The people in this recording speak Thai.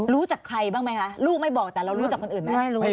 รู้จักใครบ้างไหมคะลูกไม่บอกแต่เรารู้จักคนอื่นไหมไม่รู้